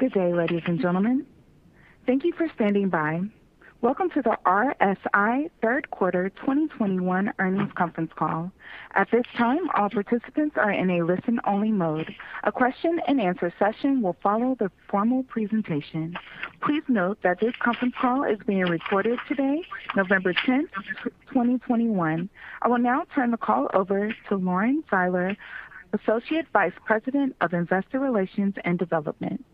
Good day, ladies and gentlemen. Thank you for standing by. Welcome to the RSI Q3 2021 Earnings Conference Call. At this time, all participants are in a listen-only mode. A question-and-answer session will follow the formal presentation. Please note that this conference call is being recorded today, November 10, 2021. I will now turn the call over to Lauren Seiler, Associate Vice President of Investor Relations and Development.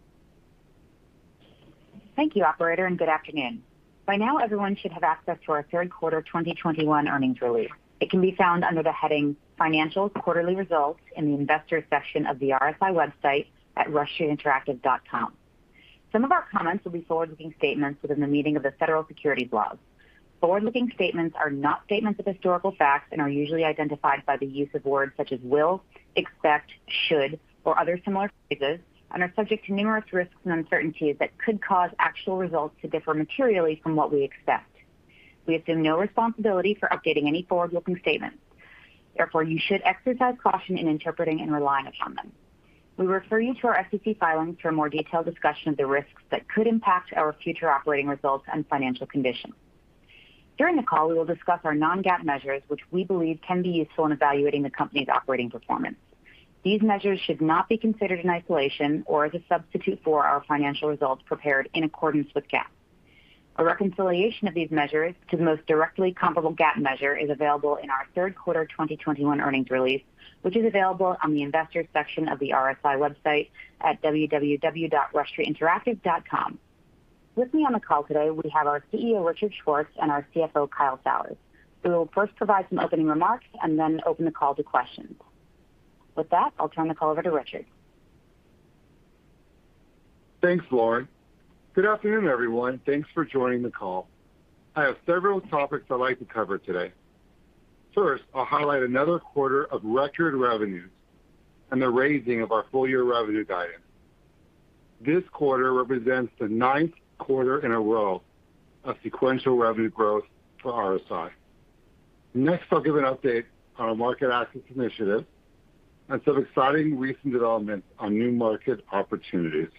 Thank you operator, and good afternoon. By now, everyone should have access to our Q3 2021 earnings release. It can be found under the heading Financials Quarterly Results in the Investors section of the RSI website at rushstreetinteractive.com. Some of our comments will be forward-looking statements within the meaning of the federal securities laws. Forward-looking statements are not statements of historical fact and are usually identified by the use of words such as will, expect, should, or other similar phrases, and are subject to numerous risks and uncertainties that could cause actual results to differ materially from what we expect. We assume no responsibility for updating any forward-looking statements. Therefore, you should exercise caution in interpreting and relying upon them. We refer you to our SEC filings for a more detailed discussion of the risks that could impact our future operating results and financial conditions. During the call, we will discuss our non-GAAP measures, which we believe can be useful in evaluating the company's operating performance. These measures should not be considered in isolation or as a substitute for our financial results prepared in accordance with GAAP. A reconciliation of these measures to the most directly comparable GAAP measure is available in our Q3 2021 earnings release, which is available on the Investors section of the RSI website at www.rushstreetinteractive.com. With me on the call today, we have our CEO, Richard Schwartz, and our CFO, Kyle Sauers. We will first provide some opening remarks and then open the call to questions. With that, I'll turn the call over to Richard. Thanks, Lauren. Good afternoon, everyone. Thanks for joining the call. I have several topics I'd like to cover today. First, I'll highlight another quarter of record revenues and the raising of our full-year revenue guidance. This quarter represents the ninth quarter in a row of sequential revenue growth for RSI. Next, I'll give an update on our market access initiative and some exciting recent developments on new market opportunities.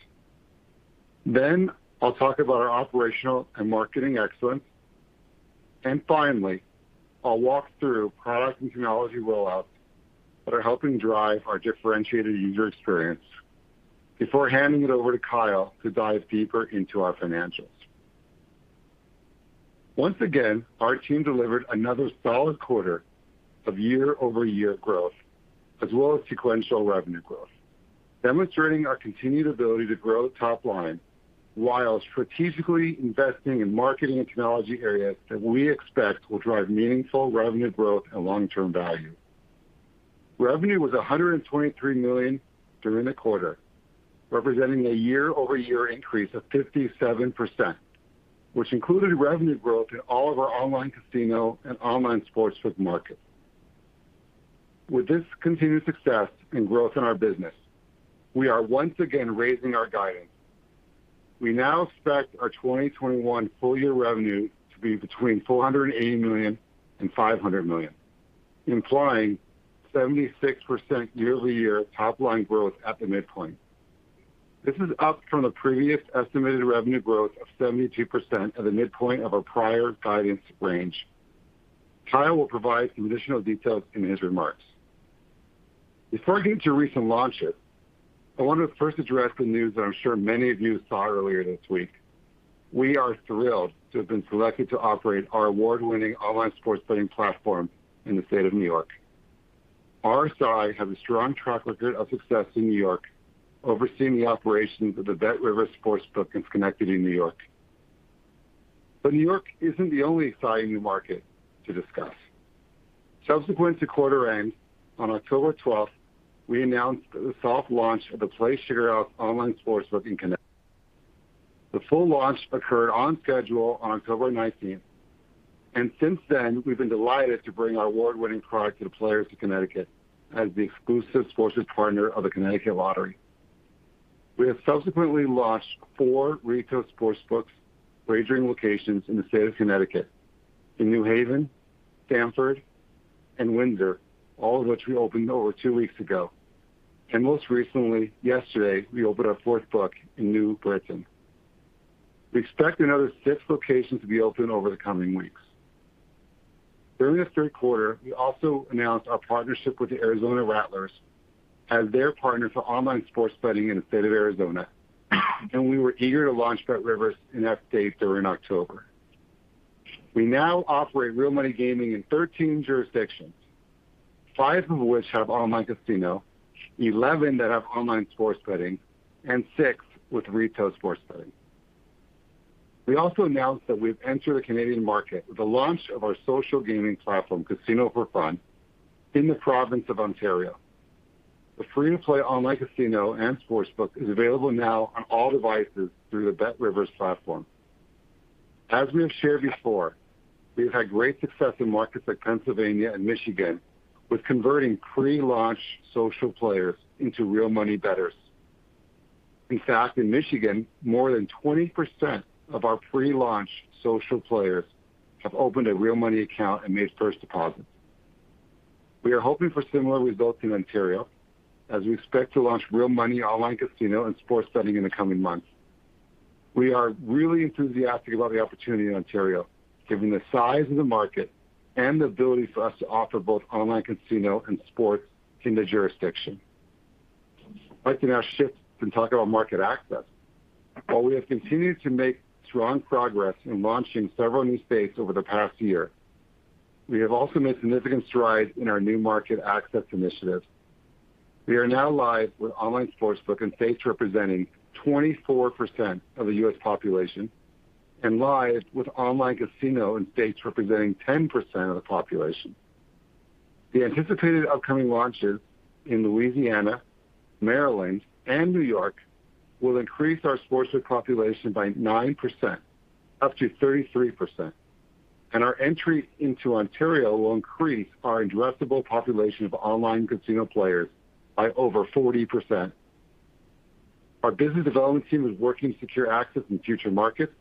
Then I'll talk about our operational and marketing excellence. Finally, I'll walk through product and technology rollouts that are helping drive our differentiated user experience before handing it over to Kyle to dive deeper into our financials. Once again, our team delivered another solid quarter of quarter-over-quarter growth as well as sequential revenue growth, demonstrating our continued ability to grow top-line while strategically investing in marketing and technology areas that we expect will drive meaningful revenue growth and long-term value. Revenue was $123 million during the quarter, representing a quarter-over-quarter increase of 57%, which included revenue growth in all of our online casino and online sportsbook markets. With this continued success and growth in our business, we are once again raising our guidance. We now expect our 2021 full-year revenue to be between $480 million and 500 million, implying 76% quarter-over-quarter top-line growth at the midpoint. This is up from the previous estimated revenue growth of 72% at the midpoint of our prior guidance range. Kyle will provide additional details in his remarks. Before I get to recent launches, I want to first address the news that I'm sure many of you saw earlier this week. We are thrilled to have been selected to operate our award-winning online sports betting platform in the state of New York. RSI has a strong track record of success in New York, overseeing the operations of the BetRivers sportsbook in Connecticut and New York. New York isn't the only exciting new market to discuss. Subsequent to quarter end, on October twelfth, we announced the soft launch of the PlaySugarHouse online sportsbook in Connecticut. The full launch occurred on schedule on October nineteenth, and since then, we've been delighted to bring our award-winning product to the players of Connecticut as the exclusive sports partner of the Connecticut Lottery. We have subsequently launched four retail sportsbooks wagering locations in the state of Connecticut in New Haven, Stamford, and Windsor, all of which we opened over two-weeks ago. Most recently, yesterday, we opened our fourth book in New Britain. We expect another six locations to be open over the coming weeks. During this Q3, we also announced our partnership with the Arizona Rattlers as their partner for online sports betting in the state of Arizona, and we were eager to launch BetRivers in that state during October. We now operate real money gaming in 13 jurisdictions, five of which have online casino, 11 that have online sports betting, and six with retail sports betting. We also announced that we've entered the Canadian market with the launch of our social gaming platform, Casino4Fun, in the province of Ontario. The free-to-play online casino and sportsbook is available now on all devices through the BetRivers platform. As we have shared before, we have had great success in markets like Pennsylvania and Michigan with converting pre-launch social players into real money bettors. In fact, in Michigan, more than 20% of our pre-launch social players have opened a real money account and made first deposits. We are hoping for similar results in Ontario as we expect to launch real money online casino and sports betting in the coming months. We are really enthusiastic about the opportunity in Ontario, given the size of the market and the ability for us to offer both online casino and sports in the jurisdiction. I can now shift and talk about market access. While we have continued to make strong progress in launching several new states over the past year, we have also made significant strides in our new market access initiatives. We are now live with online sportsbook in states representing 24% of the U.S. population, and live with online casino in states representing 10% of the population. The anticipated upcoming launches in Louisiana, Maryland, and New York will increase our sportsbook population by 9% up to 33%. Our entry into Ontario will increase our addressable population of online casino players by over 40%. Our business development team is working to secure access in future markets,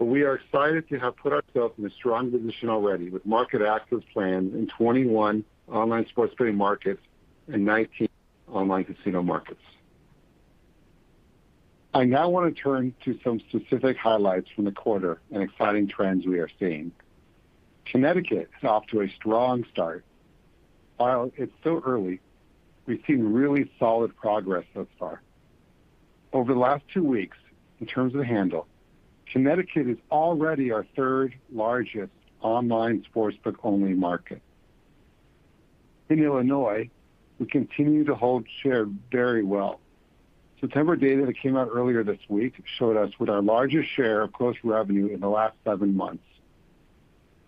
but we are excited to have put ourselves in a strong position already with market access plans in 21 online sports betting markets and 19 online casino markets. I now wanna turn to some specific highlights from the quarter and exciting trends we are seeing. Connecticut is off to a strong start. While it's still early, we've seen really solid progress thus far. Over the last two weeks, in terms of the handle, Connecticut is already our third-largest online sportsbook-only market. In Illinois, we continue to hold share very well. September data that came out earlier this week showed us with our largest share of gross revenue in the last seven months,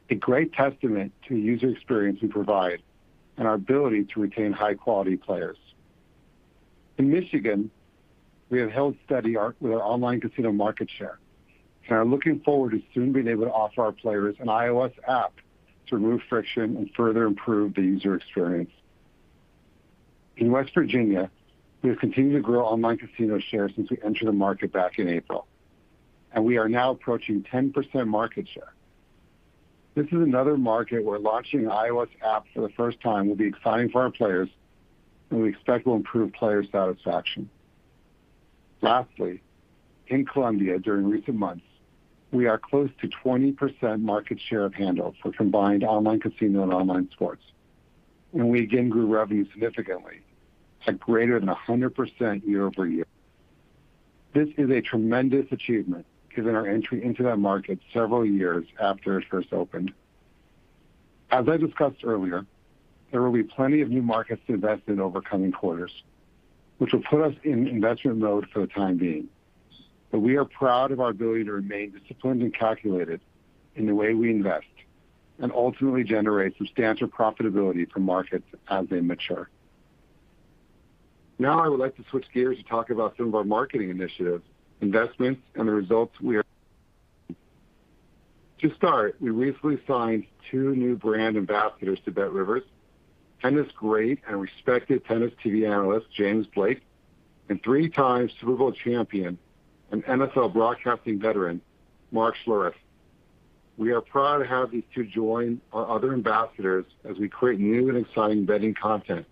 a great testament to user experience we provide and our ability to retain high-quality players. In Michigan, we have held steady with our online casino market share, and are looking forward to soon being able to offer our players an iOS app to remove friction and further improve the user experience. In West Virginia, we have continued to grow online casino share since we entered the market back in April, and we are now approaching 10% market share. This is another market where launching an iOS app for the first time will be exciting for our players, and we expect will improve player satisfaction. Lastly, in Columbia, during recent months, we are close to 20% market share of handles for combined online casino and online sports, and we again grew revenue significantly at greater than 100% quarter-over-quarter. This is a tremendous achievement given our entry into that market several years after it first opened. As I discussed earlier, there will be plenty of new markets to invest in over coming quarters, which will put us in investment mode for the time being. We are proud of our ability to remain disciplined and calculated in the way we invest and ultimately generate substantial profitability from markets as they mature. Now I would like to switch gears to talk about some of our marketing initiatives, investments and the results we are. To start, we recently signed two new brand ambassadors to BetRivers, tennis great and respected Tennis Channel analyst, James Blake, and three-time Super Bowl champion and NFL broadcasting veteran, Mark Schlereth. We are proud to have these two join our other ambassadors as we create new and exciting betting content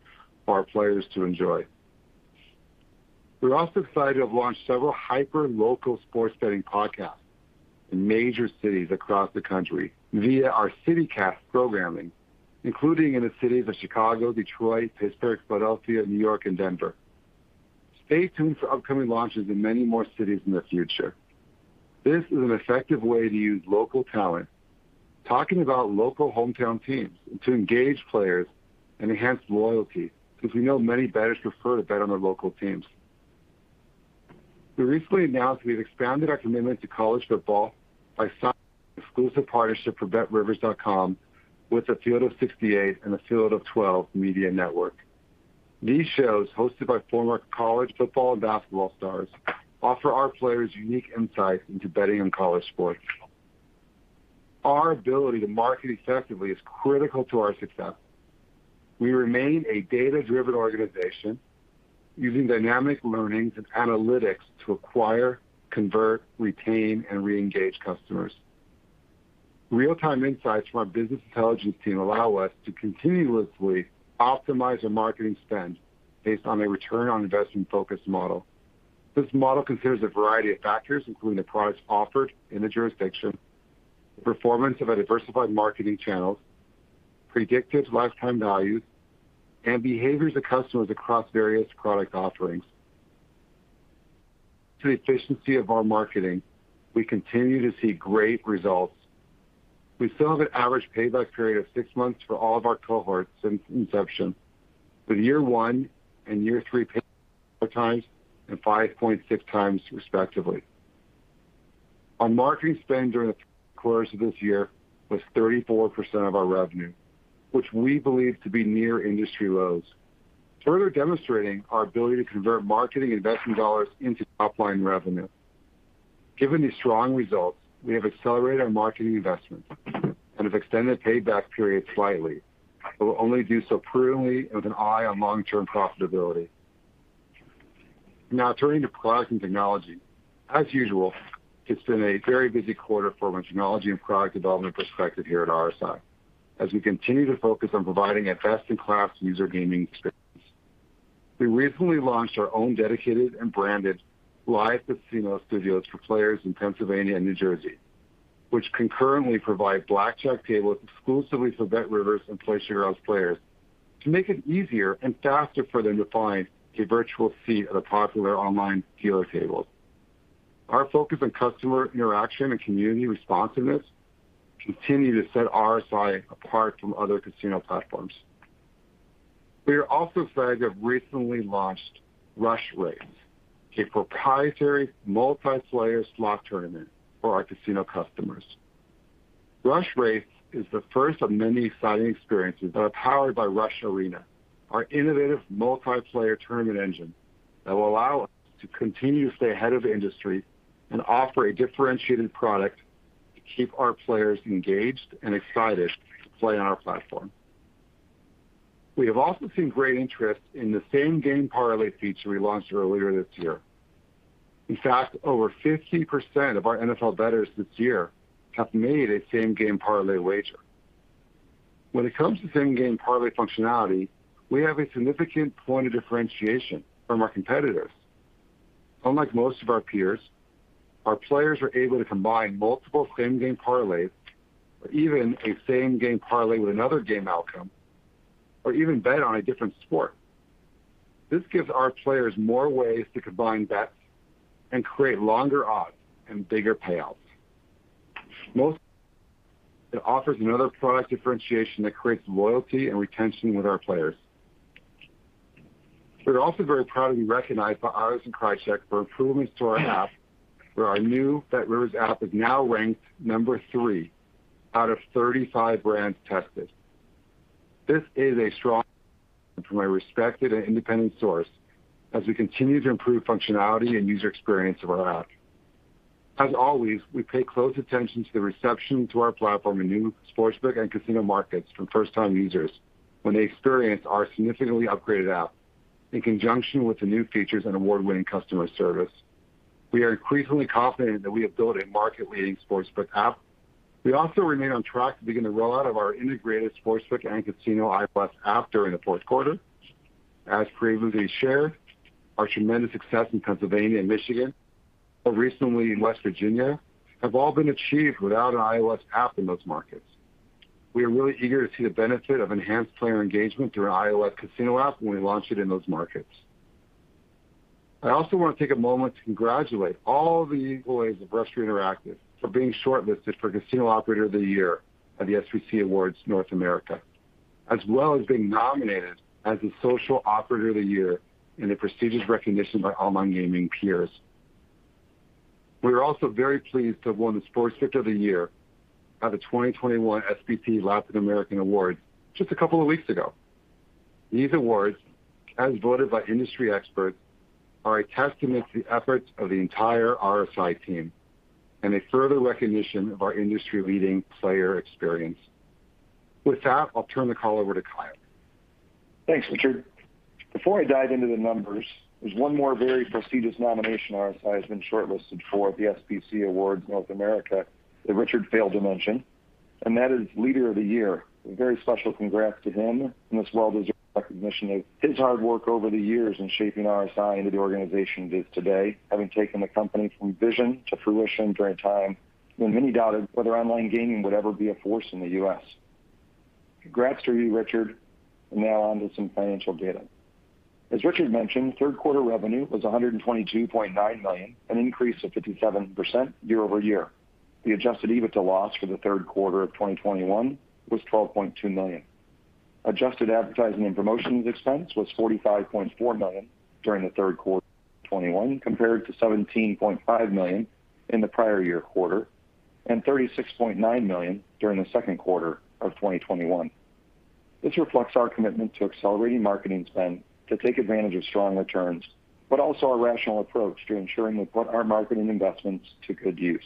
for our players to enjoy. We're also excited to have launched several hyper-local sports betting podcasts in major cities across the country via our CityCast programming, including in the cities of Chicago, Detroit, Pittsburgh, Philadelphia, New York and Denver. Stay tuned for upcoming launches in many more cities in the future. This is an effective way to use local talent, talking about local hometown teams, and to engage players and enhance loyalty, because we know many bettors prefer to bet on their local teams. We recently announced we've expanded our commitment to college football by signing an exclusive partnership for BetRivers.com with the Field of 68 and the Field of 12 media network. These shows, hosted by former college football and basketball stars, offer our players unique insights into betting on college sports. Our ability to market effectively is critical to our success. We remain a data-driven organization using dynamic learnings and analytics to acquire, convert, retain, and reengage customers. Real-time insights from our business intelligence team allow us to continuously optimize our marketing spend based on a return-on-investment-focused model. This model considers a variety of factors, including the products offered in the jurisdiction, performance of our diversified marketing channels, predictive lifetime values, and behaviors of customers across various product offerings. Due to the efficiency of our marketing, we continue to see great results. We still have an average payback period of six-months for all of our cohorts since inception, with year one and year three 1x and 5.6x respectively. Our marketing spend during the course of this year was 34% of our revenue, which we believe to be near industry lows, further demonstrating our ability to convert marketing investment dollars into top-line revenue. Given these strong results, we have accelerated our marketing investments and have extended payback periods slightly, but will only do so prudently with an eye on long-term profitability. Now turning to products and technology. As usual, it's been a very busy quarter from a technology and product development perspective here at RSI, as we continue to focus on providing a best-in-class user gaming experience. We recently launched our own dedicated and branded live casino studios for players in Pennsylvania and New Jersey, which concurrently provide blackjack tables exclusively for BetRivers and PlaySugarHouse players to make it easier and faster for them to find a virtual seat at a popular online dealer table. Our focus on customer interaction and community responsiveness continue to set RSI apart from other casino platforms. We are also excited to have recently launched RushRace, a proprietary multiplayer slot tournament for our casino customers. RushRace is the first of many exciting experiences that are powered by RushArena, our innovative multiplayer tournament engine that will allow us to continue to stay ahead of the industry and offer a differentiated product to keep our players engaged and excited to play on our platform. We have also seen great interest in the same-game parlay feature we launched earlier this year. In fact, over 15% of our NFL bettors this year have made a same-game parlay wager. When it comes to same-game parlay functionality, we have a significant point of differentiation from our competitors. Unlike most of our peers, our players are able to combine multiple same-game parlays or even a same-game parlay with another game outcome or even bet on a different sport. This gives our players more ways to combine bets and create longer odds and bigger payouts. Most importantly, it offers another product differentiation that creates loyalty and retention with our players. We're also very proud to be recognized by Eilers & Krejcik for improvements to our app where our new BetRivers app is now ranked number three out of 35 brands tested. This is a strong one from a respected and independent source as we continue to improve functionality and user experience of our app. As always, we pay close attention to the reception to our platform in new sportsbook and casino markets from first-time users when they experience our significantly upgraded app in conjunction with the new features and award-winning customer service. We are increasingly confident that we have built a market-leading sportsbook app. We also remain on track to begin the rollout of our integrated sportsbook and casino iRush app during the Q4. As previously shared, our tremendous success in Pennsylvania and Michigan, more recently in West Virginia, have all been achieved without an iOS app in those markets. We are really eager to see the benefit of enhanced player engagement through our iOS casino app when we launch it in those markets. I also want to take a moment to congratulate all the employees of Rush Street Interactive for being shortlisted for Casino Operator of the Year at the SBC Awards North America, as well as being nominated as the Social Operator of the Year in the prestigious recognition by online gaming peers. We are also very pleased to have won the Sportsbook of the Year at the 2021 SBC Awards Latinoamérica just a couple of weeks ago. These awards, as voted by industry experts, are a testament to the efforts of the entire RSI team and a further recognition of our industry-leading player experience. With that, I'll turn the call over to Kyle. Thanks, Richard. Before I dive into the numbers, there's one more very prestigious nomination RSI has been shortlisted for at the SBC Awards North America that Richard failed to mention, and that is Leader of the Year. A very special congrats to him in this well-deserved recognition of his hard work over the years in shaping RSI into the organization it is today, having taken the company from vision to fruition during a time when many doubted whether online gaming would ever be a force in the U.S. Congrats to you, Richard. Now on to some financial data. As Richard mentioned, Q3 revenue was $122.9 million, an increase of 57% quarter-over-quarter. The adjusted EBITDA loss for the Q3 of 2021 was $12.2 million. Adjusted advertising and promotions expense was $45.4 million during the Q3 of 2021, compared to $17.5 million in the prior year quarter and $36.9 million during the Q2 of 2021. This reflects our commitment to accelerating marketing spend to take advantage of strong returns, but also our rational approach to ensuring we put our marketing investments to good use.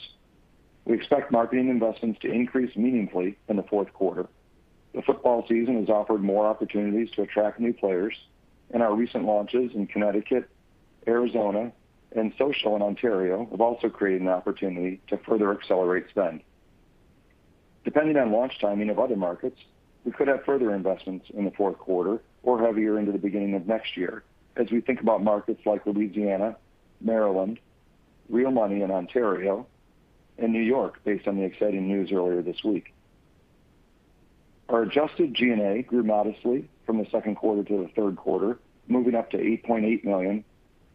We expect marketing investments to increase meaningfully in the Q4. The football season has offered more opportunities to attract new players, and our recent launches in Connecticut, Arizona, and social in Ontario have also created an opportunity to further accelerate spend. Depending on launch timing of other markets, we could have further investments in the Q4 or heavier into the beginning of next year as we think about markets like Louisiana, Maryland, real money in Ontario, and New York, based on the exciting news earlier this week. Our adjusted G&A grew modestly from the Q2 to the Q3, moving up to $8.8 million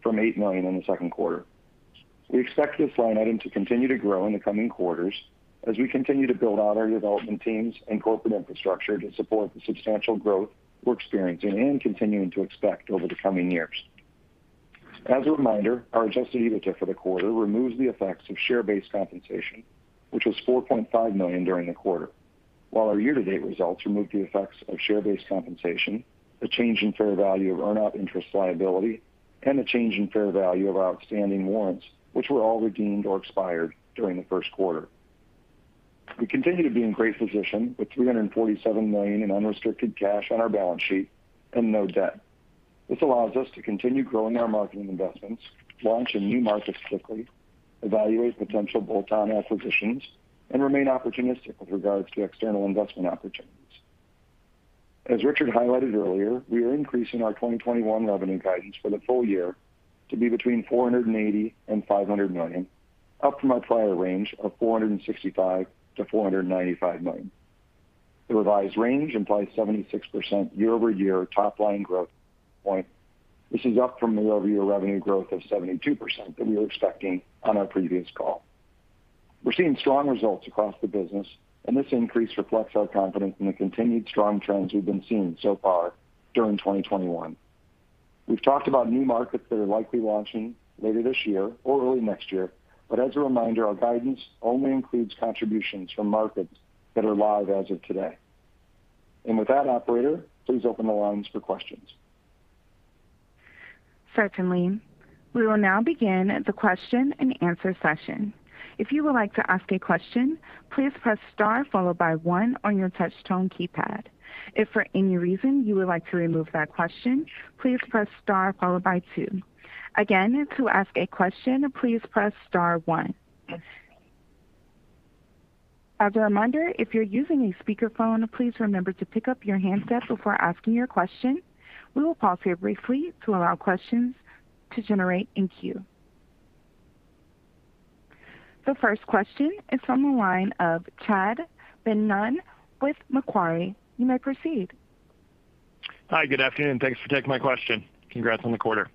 from 8 million in the Q2. We expect this line item to continue to grow in the coming quarters as we continue to build out our development teams and corporate infrastructure to support the substantial growth we're experiencing and continuing to expect over the coming years. As a reminder, our adjusted EBITDA for the quarter removes the effects of share-based compensation, which was $4.5 million during the quarter. While our year-to-date results remove the effects of share-based compensation, the change in fair value of earn-out interest liability, and the change in fair value of our outstanding warrants, which were all redeemed or expired during the Q1. we continue to be in great position with $347 million in unrestricted cash on our balance sheet and no debt. This allows us to continue growing our marketing investments, launch in new markets quickly, evaluate potential bolt-on acquisitions, and remain opportunistic with regards to external investment opportunities. As Richard highlighted earlier, we are increasing our 2021 revenue guidance for the full year to be between $480 million and 500 million, up from our prior range of $465 million-495 million. The revised range implies 76% quarter-over-quarter top line growth point, which is up from the quarter-over-quarter revenue growth of 72% that we were expecting on our previous call. We're seeing strong results across the business, and this increase reflects our confidence in the continued strong trends we've been seeing so far during 2021. We've talked about new markets that are likely launching later this year or early next year, but as a reminder, our guidance only includes contributions from markets that are live as of today. With that, operator, please open the lines for questions. Certainly. We will now begin the question and answer session. If you would like to ask a question, please press star followed by one on your touch tone keypad. If for any reason you would like to remove that question, please press star followed by two. Again, to ask a question, please press star one. As a reminder, if you're using a speakerphone, please remember to pick up your handset before asking your question. We will pause here briefly to allow questions to generate in queue. The first question is from the line of Chad Beynon with Macquarie. You may proceed. Hi, good afternoon. Thanks for taking my question. Congrats on the quarter.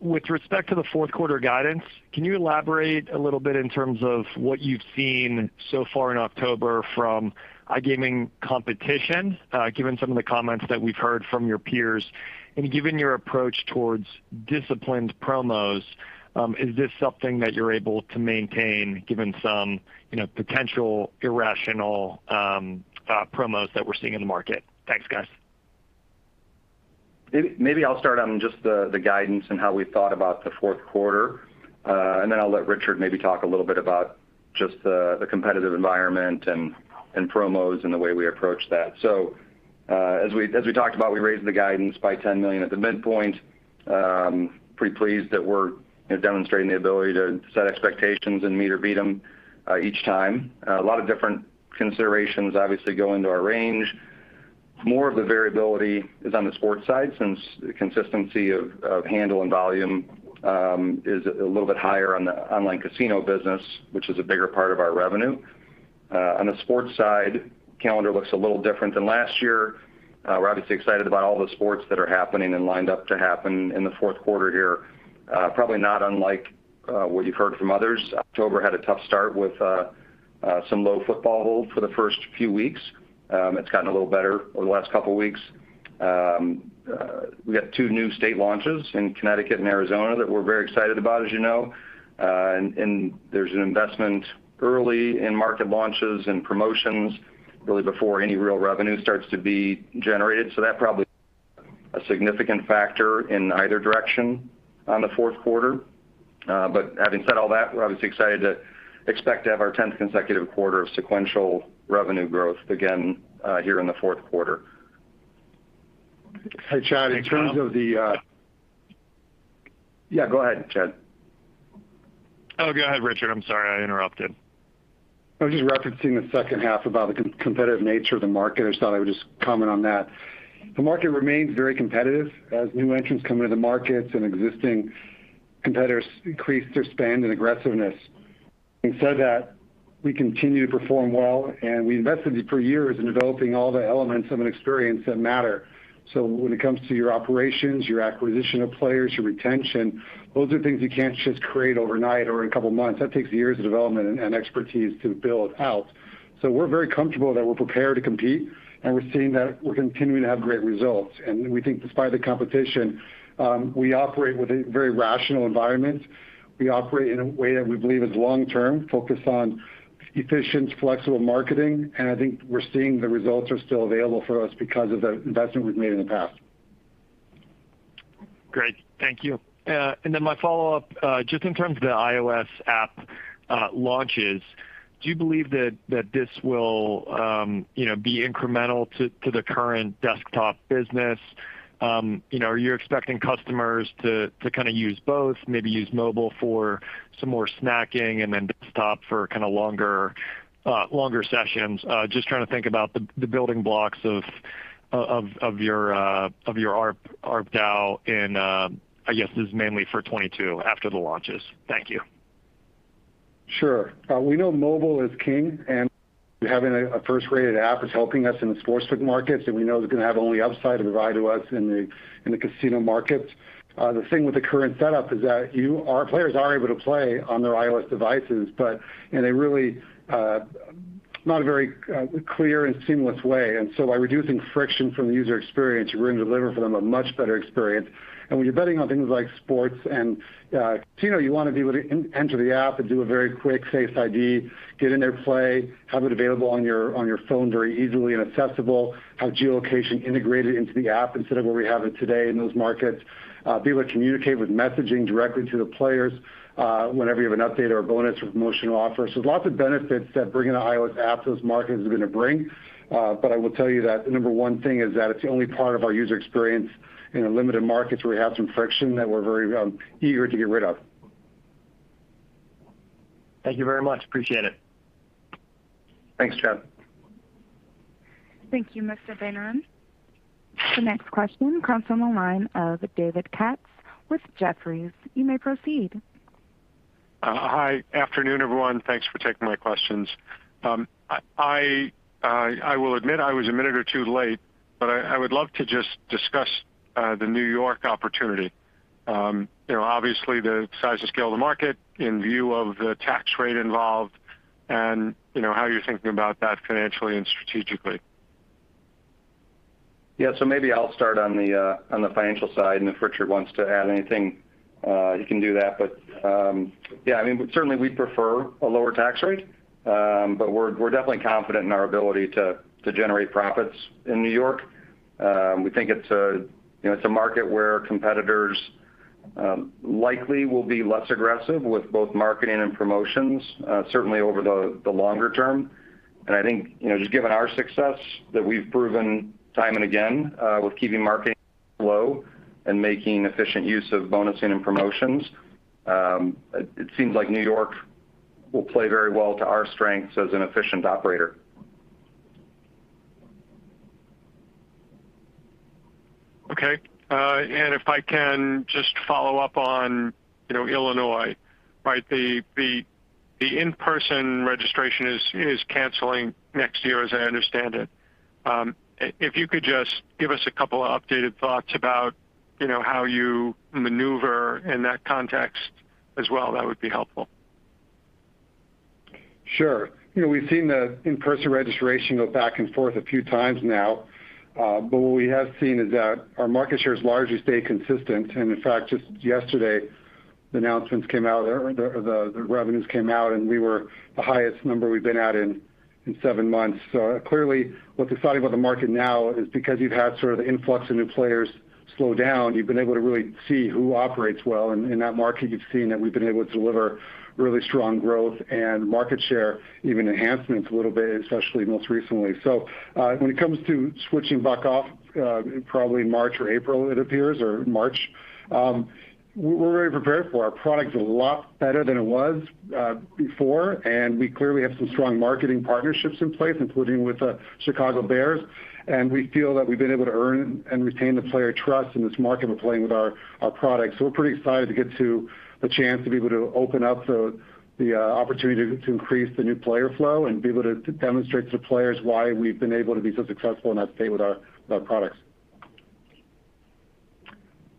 With respect to the Q4 guidance, can you elaborate a little bit in terms of what you've seen so far in October from iGaming competition, given some of the comments that we've heard from your peers? Given your approach towards disciplined promos, is this something that you're able to maintain given some, you know, potential irrational promos that we're seeing in the market? Thanks, guys. Maybe I'll start on just the guidance and how we thought about the Q4, and then I'll let Richard maybe talk a little bit about just the competitive environment and promos and the way we approach that. As we talked about, we raised the guidance by $10 million at the midpoint. Pretty pleased that we're, you know, demonstrating the ability to set expectations and meet or beat them, each time. A lot of different considerations obviously go into our range. More of the variability is on the sports side since the consistency of handle and volume is a little bit higher on the online casino business, which is a bigger part of our revenue. On the sports side, calendar looks a little different than last year. We're obviously excited about all the sports that are happening and lined up to happen in the Q4 here. Probably not unlike what you've heard from others. October had a tough start with some low football hold for the first few weeks. It's gotten a little better over the last couple weeks. We got two new state launches in Connecticut and Arizona that we're very excited about, as you know. There's an investment early in market launches and promotions really before any real revenue starts to be generated. That probably a significant factor in either direction on the Q4. Having said all that, we're obviously excited to expect to have our tenth consecutive quarter of sequential revenue growth again here in the Q4. Hey, Chad. In terms of the Yeah, go ahead, Chad. Oh, go ahead, Richard. I'm sorry, I interrupted. I was just referencing the H2 about the competitive nature of the market. I just thought I would just comment on that. The market remains very competitive as new entrants come into the markets and existing competitors increase their spend and aggressiveness. Having said that, we continue to perform well, and we invested for years in developing all the elements of an experience that matter. So when it comes to your operations, your acquisition of players, your retention, those are things you can't just create overnight or in a couple of months. That takes years of development and expertise to build out. So we're very comfortable that we're prepared to compete, and we're seeing that we're continuing to have great results. We think despite the competition, we operate with a very rational environment. We operate in a way that we believe is long-term, focused on efficient, flexible marketing. I think we're seeing the results are still available for us because of the investment we've made in the past. Great. Thank you. Then my follow-up, just in terms of the iOS app launches, do you believe that this will, you know, be incremental to the current desktop business? You know, are you expecting customers to kind of use both, maybe use mobile for some more snacking and then desktop for kind of longer sessions? Just trying to think about the building blocks of your ARPDAU in, I guess this is mainly for 2022 after the launches. Thank you. Sure. We know mobile is king, and we're having a first-rate app is helping us in the sportsbook markets, and we know it's gonna have only upside to provide to us in the casino markets. The thing with the current setup is that our players are able to play on their iOS devices, but in a really not a very clear and seamless way. By reducing friction from the user experience, we're gonna deliver for them a much better experience. When you're betting on things like sports and casino, you wanna be able to enter the app and do a very quick face ID, get in there, play, have it available on your phone very easily and accessible, have geolocation integrated into the app instead of where we have it today in those markets, be able to communicate with messaging directly to the players whenever you have an update or a bonus or promotional offer. There's lots of benefits that bringing an iOS app to those markets is gonna bring. I will tell you that the number one thing is that it's the only part of our user experience in the limited markets where we have some friction that we're very eager to get rid of. Thank you very much. Appreciate it. Thanks, Chad. Thank you, Mr. Beynon. The next question comes from the line of David Katz with Jefferies. You may proceed. Hi. Afternoon, everyone. Thanks for taking my questions. I will admit I was a minute or two late, but I would love to just discuss the New York opportunity. You know, obviously the size and scale of the market in view of the tax rate involved and, you know, how you're thinking about that financially and strategically. Yeah. Maybe I'll start on the, on the financial side, and if Richard wants to add anything, he can do that. Yeah, I mean, certainly we'd prefer a lower tax rate. We're definitely confident in our ability to generate profits in New York. We think it's a, you know, it's a market where competitors likely will be less aggressive with both marketing and promotions, certainly over the longer term. I think, you know, just given our success that we've proven time and again, with keeping marketing low and making efficient use of bonusing and promotions, it seems like New York will play very well to our strengths as an efficient operator. Okay. If I can just follow-up on, you know, Illinois, right? The in-person registration is canceling next year, as I understand it. If you could just give us a couple of updated thoughts about, you know, how you maneuver in that context as well, that would be helpful. Sure. You know, we've seen the in-person registration go back and forth a few times now. What we have seen is that our market share has largely stayed consistent. In fact, just yesterday the announcements came out or the revenues came out, and we were the highest number we've been at in seven months. Clearly what's exciting about the market now is because you've had sort of the influx of new players slow down, you've been able to really see who operates well. In that market you've seen that we've been able to deliver really strong growth and market share, even enhancements a little bit, especially most recently. When it comes to switching back off, probably March or April, it appears, or March, we're very prepared for it. Our product's a lot better than it was before, and we clearly have some strong marketing partnerships in place, including with the Chicago Bears. We feel that we've been able to earn and retain the player trust in this market we're playing with our products. We're pretty excited to get to the chance to be able to open up the opportunity to increase the new player flow and be able to demonstrate to players why we've been able to be so successful in that space with our products.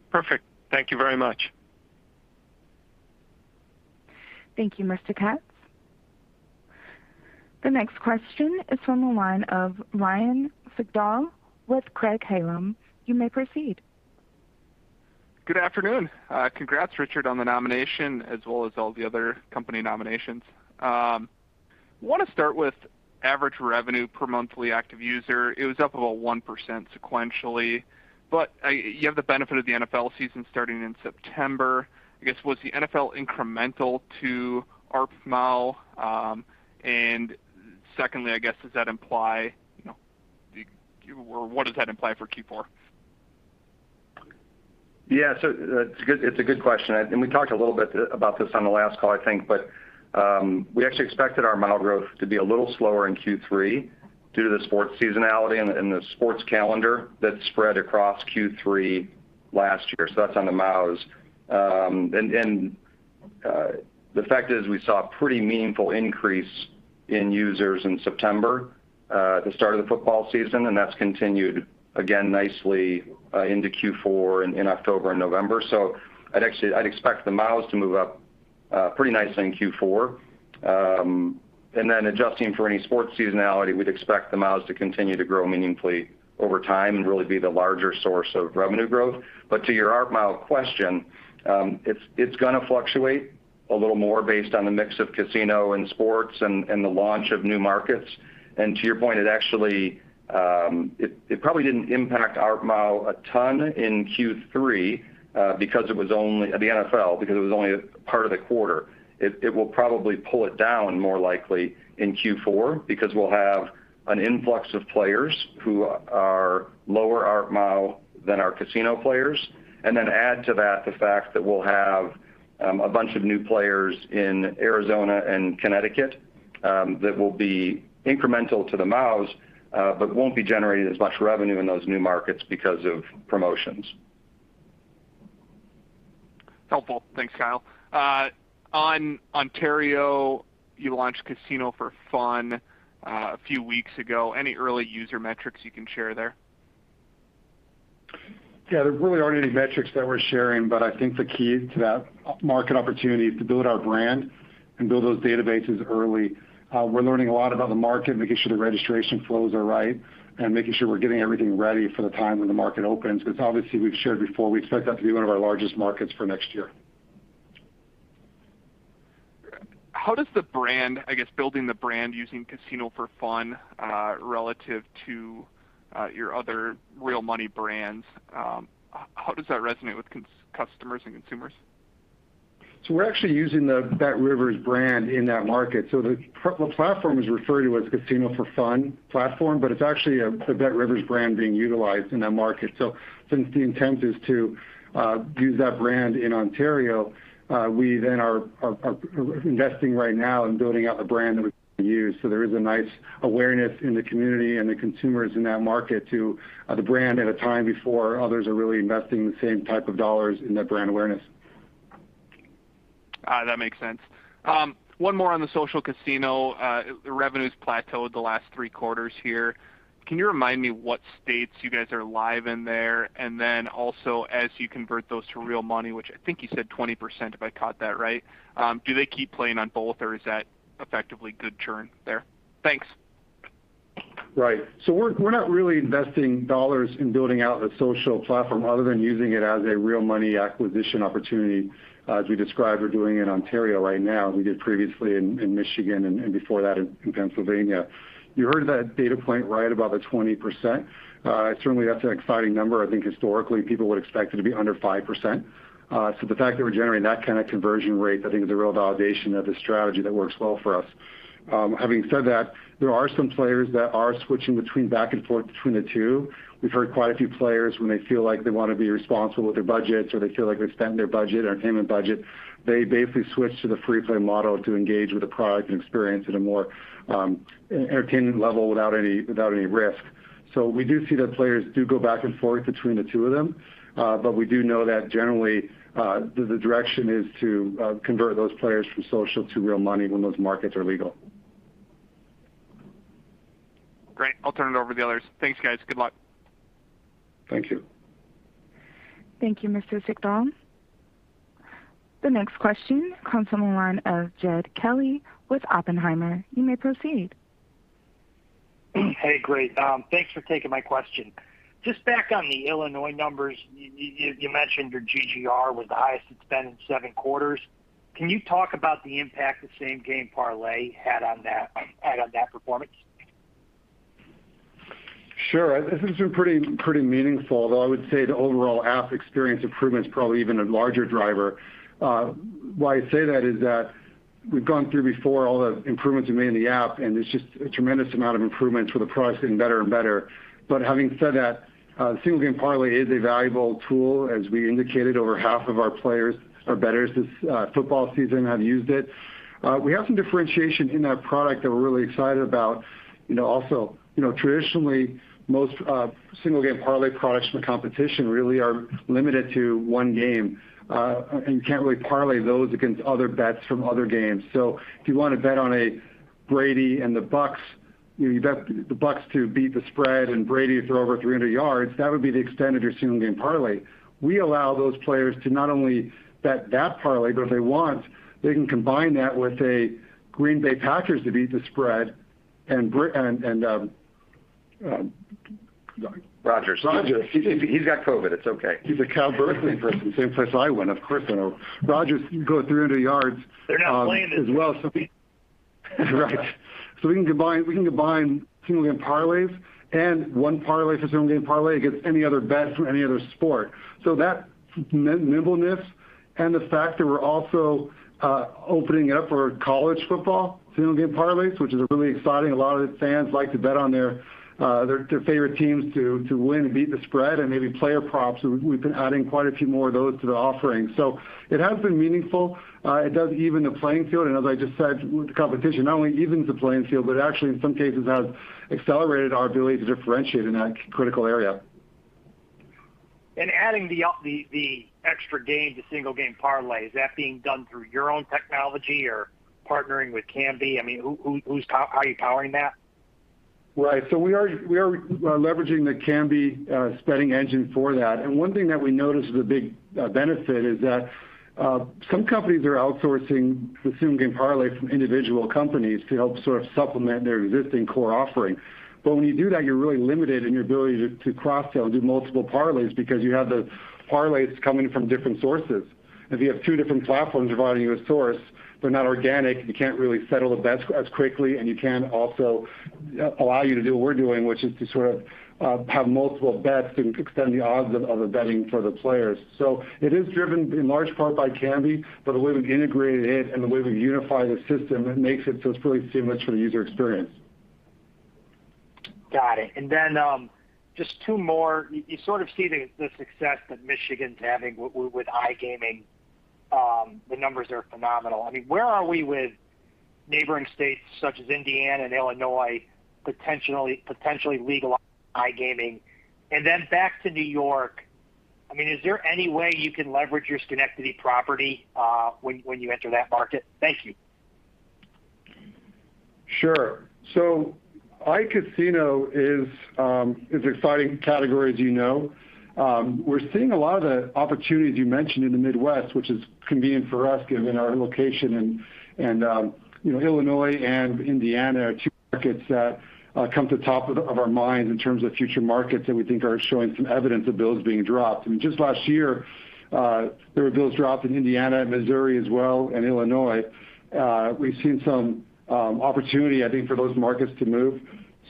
Perfect. Thank you very much. Thank you, Mr. Katz. The next question is from the line of Ryan Sigdahl with Craig-Hallum. You may proceed. Good afternoon. Congrats, Richard, on the nomination as well as all the other company nominations. Wanna start with average revenue per monthly active user. It was up about 1% sequentially, but you have the benefit of the NFL season starting in September. I guess, was the NFL incremental to ARPMAU? Secondly, I guess, does that imply, you know, or what does that imply for Q4? Yeah. It's a good question. We talked a little bit about this on the last call, I think. We actually expected our MAU growth to be a little slower in Q3 due to the sports seasonality and the sports calendar that spread across Q3 last year. That's on the MAUs. The fact is we saw a pretty meaningful increase in users in September at the start of the football season, and that's continued again nicely into Q4 in October and November. I'd actually expect the MAUs to move up pretty nicely in Q4. Adjusting for any sports seasonality, we'd expect the MAUs to continue to grow meaningfully over time and really be the larger source of revenue growth. To your ARP MAU question, it's gonna fluctuate a little more based on the mix of casino and sports and the launch of new markets. To your point, it actually probably didn't impact ARP MAU a ton in Q3 because it was only a part of the quarter. It will probably pull it down more likely in Q4 because we'll have an influx of players who are lower ARP MAU than our casino players. Then add to that the fact that we'll have a bunch of new players in Arizona and Connecticut that will be incremental to the MAUs but won't be generating as much revenue in those new markets because of promotions. Helpful. Thanks, Kyle. On Ontario, you launched Casino4Fun a few weeks ago. Any early user metrics you can share there? Yeah. There really aren't any metrics that we're sharing, but I think the key to that market opportunity is to build our brand and build those databases early. We're learning a lot about the market, making sure the registration flows are right, and making sure we're getting everything ready for the time when the market opens. 'Cause obviously we've shared before, we expect that to be one of our largest markets for next year. How does the brand, I guess building the brand using Casino4Fun, relative to your other real money brands, how does that resonate with customers and consumers? We're actually using the BetRivers brand in that market. The platform is referred to as Casino for Fun platform, but it's actually the BetRivers brand being utilized in that market. Since the intent is to use that brand in Ontario, we then are investing right now in building out the brand that we use. There is a nice awareness in the community and the consumers in that market to the brand at a time before others are really investing the same type of dollars in that brand awareness. That makes sense. One more on the social casino. The revenues plateaued the last three quarters here. Can you remind me what states you guys are live in there? Also, as you convert those to real money, which I think you said 20%, if I caught that right, do they keep playing on both or is that effectively good churn there? Thanks. Right. We're not really investing dollars in building out a social platform other than using it as a real money acquisition opportunity, as we described we're doing in Ontario right now, we did previously in Michigan and before that in Pennsylvania. You heard that data point, right, about the 20%. Certainly that's an exciting number. I think historically people would expect it to be under 5%. The fact that we're generating that kind of conversion rate, I think is a real validation of the strategy that works well for us. Having said that, there are some players that are switching back and forth between the two. We've heard quite a few players when they feel like they want to be responsible with their budgets, or they feel like they've spent their budget, entertainment budget, they basically switch to the free play model to engage with the product and experience at a more entertainment level without any, without any risk. We do see that players do go back and forth between the two of them. We do know that generally, the direction is to convert those players from social to real money when those markets are legal. Great. I'll turn it over to the others. Thanks, guys. Good luck. Thank you. Thank you, Mr. Sigdahl. The next question comes from the line of Jed Kelly with Oppenheimer. You may proceed. Hey, great. Thanks for taking my question. Just back on the Illinois numbers. You mentioned your GGR was the highest it's been in seven quarters. Can you talk about the impact the same-game parlay had on that performance? Sure. It's been pretty meaningful, though I would say the overall app experience improvement's probably even a larger driver. Why I say that is that we've gone through before all the improvements we made in the app, and it's just a tremendous amount of improvements with the product getting better and better. Having said that, the same-game parlay is a valuable tool. As we indicated, over half of our players or bettors this football season have used it. We have some differentiation in that product that we're really excited about. You know, also, you know, traditionally, most same-game parlay products from the competition really are limited to one game. You can't really parlay those against other bets from other games. If you want to bet on a Brady and the Bucs, you bet the Bucs to beat the spread and Brady to throw over 300 yards, that would be the extended or single game parlay. We allow those players to not only bet that parlay, but if they want, they can combine that with a Green Bay Packers to beat the spread and Rodgers. Rodgers. He's got COVID, it's okay. He's a UC Berkeley person, same place I went. Of course I know. Rodgers go 300 yards. They're not playing this week. Right. We can combine same-game parlays and one parlay for same-game parlays against any other bet from any other sport. That nimbleness and the fact that we're also opening it up for college football same-game parlays, which is really exciting. A lot of the fans like to bet on their favorite teams to win and beat the spread and maybe player props. We've been adding quite a few more of those to the offering. It has been meaningful. It does even the playing field, and as I just said, with the competition, not only evens the playing field, but actually in some cases has accelerated our ability to differentiate in that critical area. Adding the extra game to same-game parlay, is that being done through your own technology or partnering with Kambi? I mean, how are you powering that? Right. We are leveraging the Kambi betting engine for that. One thing that we noticed is a big benefit is that some companies are outsourcing the same-game parlay from individual companies to help sort of supplement their existing core offering. When you do that, you're really limited in your ability to cross-sell and do multiple parlays because you have the parlays coming from different sources. If you have two different platforms providing you a source, they're not organic, you can't really settle the bets as quickly, and you can't also allow you to do what we're doing, which is to sort of have multiple bets and extend the odds of the betting for the players. It is driven in large part by Kambi, but the way we've integrated it and the way we've unified the system, it makes it so it's really seamless for the user experience. Got it. Then, just two more. You sort of see the success that Michigan's having with iGaming. The numbers are phenomenal. I mean, where are we with neighboring states such as Indiana and Illinois potentially legalizing iGaming? Back to New York, I mean, is there any way you can leverage your Schenectady property, when you enter that market? Thank you. Sure. iCasino is exciting category, as you know. We're seeing a lot of the opportunities you mentioned in the Midwest, which is convenient for us given our location and, you know, Illinois and Indiana are two markets that come to top of our minds in terms of future markets that we think are showing some evidence of bills being dropped. I mean, just last year, there were bills dropped in Indiana and Missouri as well, and Illinois. We've seen some opportunity, I think, for those markets to move.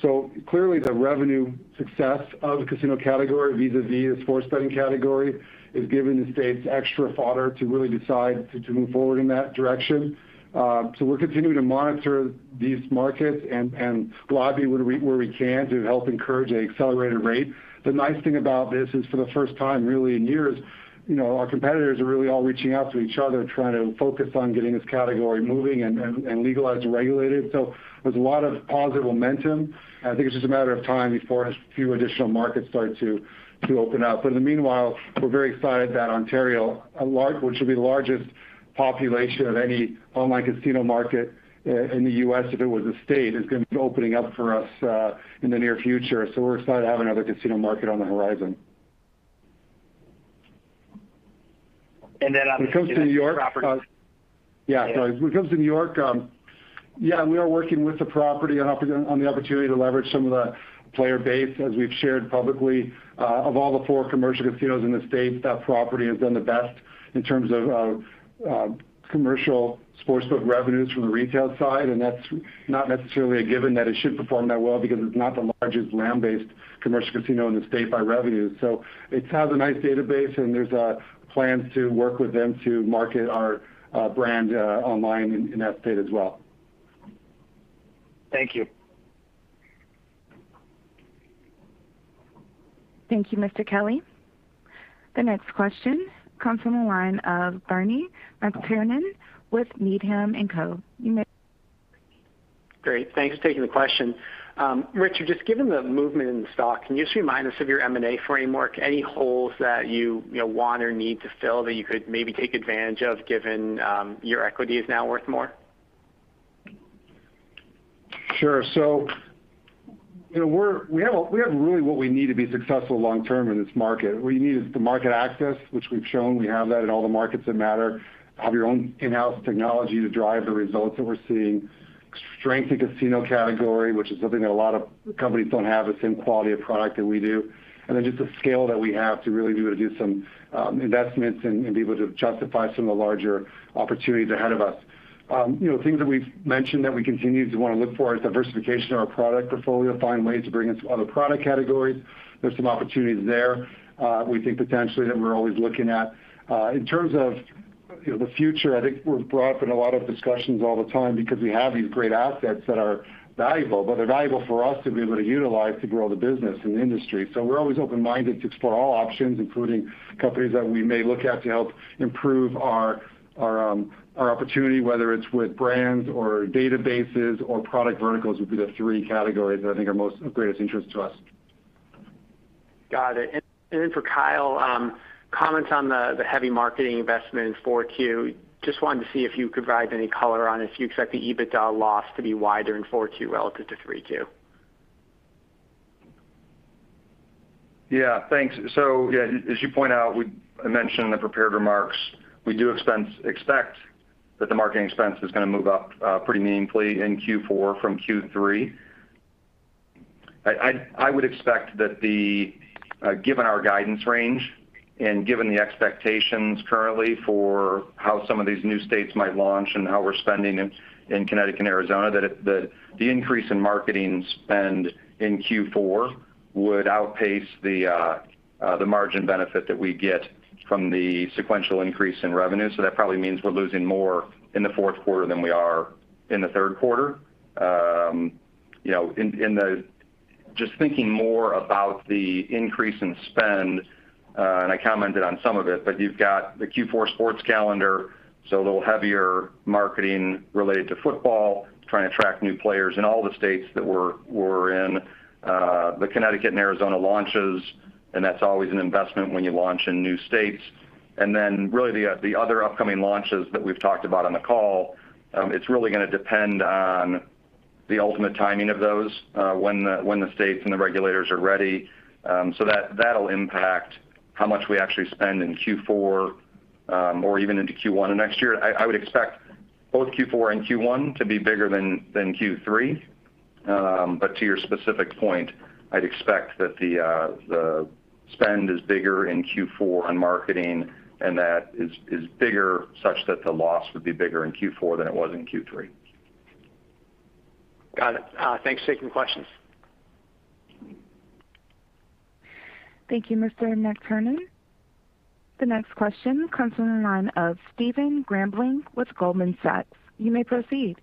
Clearly, the revenue success of the casino category vis-a-vis the sports betting category is giving the states extra fodder to really decide to move forward in that direction. We're continuing to monitor these markets and lobby where we can to help encourage an accelerated rate. The nice thing about this is for the first time, really in years, you know, our competitors are really all reaching out to each other, trying to focus on getting this category moving and legalized and regulated. There's a lot of positive momentum. I think it's just a matter of time before a few additional markets start to open up. In the meanwhile, we're very excited that Ontario, which will be the largest population of any online casino market in the U.S. if it was a state, is gonna be opening up for us, in the near future. We're excited to have another casino market on the horizon. And then on the- When it comes to New York. -property. Yeah. When it comes to New York, yeah, we are working with the property on the opportunity to leverage some of the player base, as we've shared publicly. Of all the four commercial casinos in the state, that property has done the best in terms of commercial sportsbook revenues from the retail side, and that's not necessarily a given that it should perform that well because it's not the largest land-based commercial casino in the state by revenue. It has a nice database, and there's plans to work with them to market our brand online in that state as well. Thank you. Thank you, Mr. Kelly. The next question comes from the line of Bernie McTernan with Needham & Company. You may proceed. Great. Thanks for taking the question. Richard, just given the movement in the stock, can you just remind us of your M&A framework, any holes that you know, want or need to fill that you could maybe take advantage of given your equity is now worth more? Sure. You know, we have really what we need to be successful long term in this market. What you need is the market access, which we've shown we have that in all the markets that matter. Have your own in-house technology to drive the results that we're seeing. Strength in casino category, which is something that a lot of companies don't have the same quality of product that we do. And then just the scale that we have to really be able to do some investments and be able to justify some of the larger opportunities ahead of us. You know, things that we've mentioned that we continue to wanna look for is diversification of our product portfolio, find ways to bring in some other product categories. There's some opportunities there, we think potentially that we're always looking at. In terms of, you know, the future, I think we're brought up in a lot of discussions all the time because we have these great assets that are valuable, but they're valuable for us to be able to utilize to grow the business in the industry. We're always open-minded to explore all options, including companies that we may look at to help improve our opportunity, whether it's with brands or databases or product verticals, would be the three categories that I think are most of greatest interest to us. Got it. For Kyle, comments on the heavy marketing investment in 4Q. Just wanted to see if you could provide any color on if you expect the EBITDA loss to be wider in 4Q relative to 3Q. Yeah. Thanks. Yeah, as you point out, we mentioned the prepared remarks. We do expect that the marketing expense is gonna move up pretty meaningfully in Q4 from Q3. I would expect that, given our guidance range and given the expectations currently for how some of these new states might launch and how we're spending in Connecticut and Arizona, the increase in marketing spend in Q4 would outpace the margin benefit that we get from the sequential increase in revenue. That probably means we're losing more in the Q4 than we are in the Q3. You know, just thinking more about the increase in spend, and I commented on some of it, but you've got the Q4 sports calendar, so a little heavier marketing related to football, trying to attract new players in all the states that we're in. The Connecticut and Arizona launches, and that's always an investment when you launch in new states. Really the other upcoming launches that we've talked about on the call, it's really gonna depend on the ultimate timing of those, when the states and the regulators are ready. So that'll impact how much we actually spend in Q4, or even into Q1 of next year. I would expect both Q4 and Q1 to be bigger than Q3. To your specific point, I'd expect that the spend is bigger in Q4 on marketing, and that is bigger such that the loss would be bigger in Q4 than it was in Q3. Got it. Thanks for taking the questions. Thank you, Mr. McTernan. The next question comes from the line of Stephen Grambling with Goldman Sachs. You may proceed.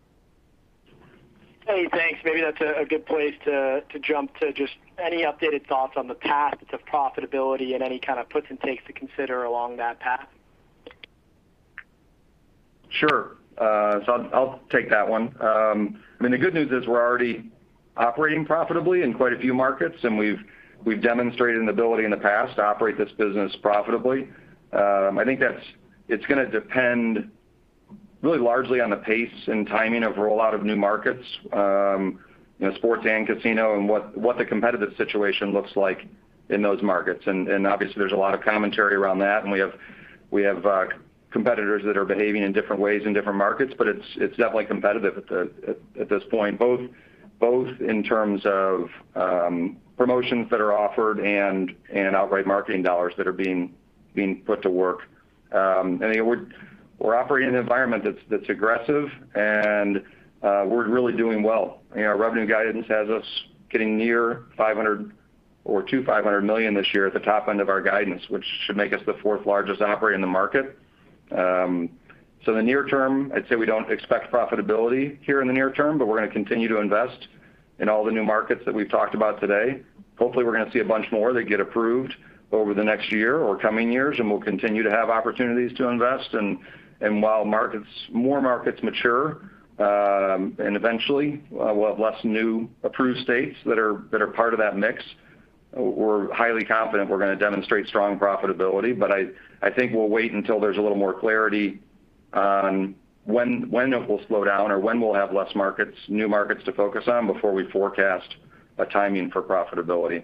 Hey, thanks. Maybe that's a good place to jump to just any updated thoughts on the path to profitability and any kind of puts and takes to consider along that path. Sure. So I'll take that one. I mean, the good news is we're already operating profitably in quite a few markets, and we've demonstrated an ability in the past to operate this business profitably. I think that it's gonna depend really largely on the pace and timing of rollout of new markets, you know, sports and casino and what the competitive situation looks like in those markets. Obviously, there's a lot of commentary around that. We have competitors that are behaving in different ways in different markets, but it's definitely competitive at this point, both in terms of promotions that are offered and outright marketing dollars that are being put to work. We're operating in an environment that's aggressive, and we're really doing well. You know, our revenue guidance has us getting near 500 or to $500 million this year at the top end of our guidance, which should make us the fourth largest operator in the market. In the near term, I'd say we don't expect profitability here in the near term, but we're going to continue to invest in all the new markets that we've talked about today. Hopefully, we're going to see a bunch more that get approved over the next year or coming years, and we'll continue to have opportunities to invest. And while more markets mature, and eventually, we'll have less new approved states that are part of that mix, we're highly confident we're going to demonstrate strong profitability. I think we'll wait until there's a little more clarity on when it will slow down or when we'll have less markets, new markets to focus on before we forecast a timing for profitability.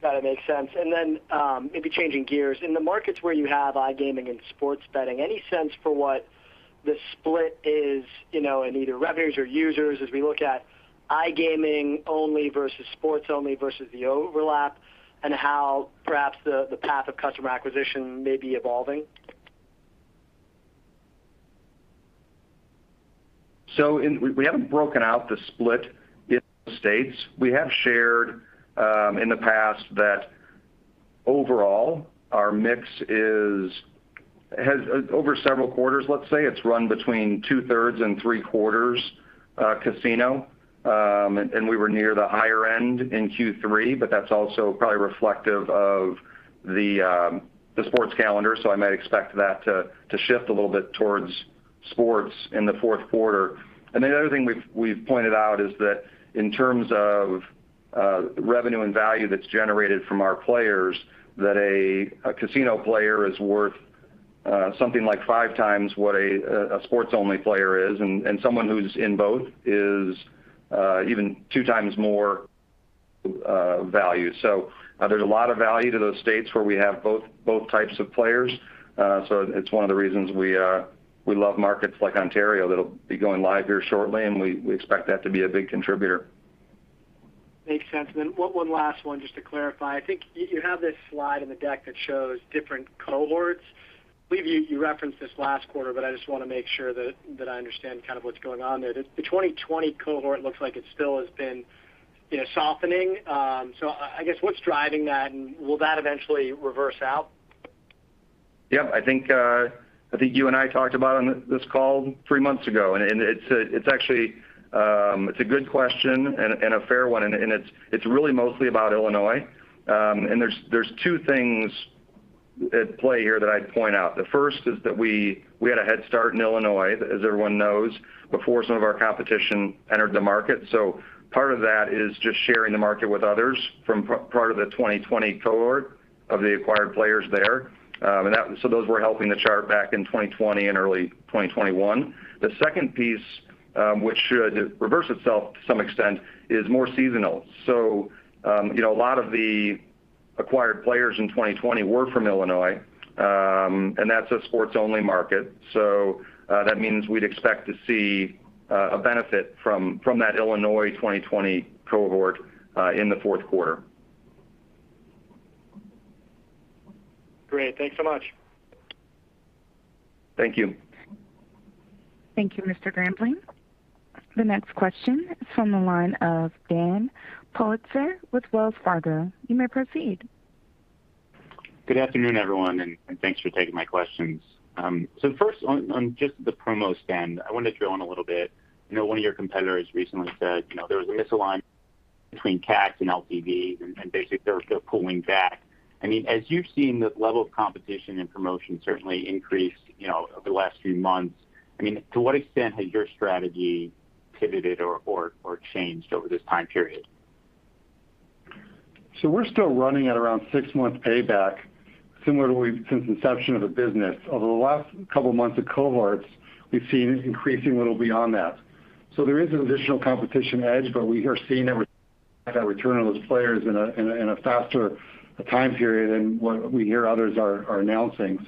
That makes sense. Maybe changing gears. In the markets where you have iGaming and sports betting, any sense for what the split is, you know, in either revenues or users as we look at iGaming only versus sports only versus the overlap, and how perhaps the path of customer acquisition may be evolving? We haven't broken out the split in states. We have shared in the past that overall, our mix has over several quarters, let's say, it's run between two-thirds and three-quarters casino. We were near the higher end in Q3, but that's also probably reflective of the sports calendar. I might expect that to shift a little bit towards sports in the Q4. The other thing we've pointed out is that in terms of revenue and value that's generated from our players, that a casino player is worth something like five times what a sports-only player is, and someone who's in both is even two times more value. There's a lot of value to those states where we have both types of players. It's one of the reasons we love markets like Ontario that'll be going live here shortly, and we expect that to be a big contributor. Makes sense. One last one just to clarify. I think you have this slide in the deck that shows different cohorts. I believe you referenced this last quarter, but I just want to make sure that I understand kind of what's going on there. The 2020 cohort looks like it still has been, you know, softening. I guess what's driving that, and will that eventually reverse out? Yep. I think you and I talked about on this call three months ago. It's actually a good question and a fair one, and it's really mostly about Illinois. There's two things at play here that I'd point out. The first is that we had a head start in Illinois, as everyone knows, before some of our competition entered the market. Part of that is just sharing the market with others from part of the 2020 cohort of the acquired players there. Those were helping the chart back in 2020 and early 2021. The second piece, which should reverse itself to some extent, is more seasonal. You know, a lot of the acquired players in 2020 were from Illinois, and that's a sports-only market. That means we'd expect to see a benefit from that Illinois 2020 cohort in the Q4. Great. Thanks so much. Thank you. Thank you, Mr. Grambling. The next question is from the line of Dan Politzer with Wells Fargo. You may proceed. Good afternoon, everyone, and thanks for taking my questions. So first on just the promo spend, I wanted to drill in a little bit. I know one of your competitors recently said, you know, there was a misalignment between CACs and LTVs, and basically they're still pulling back. I mean, as you've seen the level of competition and promotion certainly increase, you know, over the last few months, I mean, to what extent has your strategy pivoted or changed over this time period? We're still running at around six months payback, similar to since inception of the business. Over the last couple of months of cohorts, we've seen it increasing a little beyond that. There is an additional competition edge, but we are seeing a return on those players in a faster time period than what we hear others are announcing.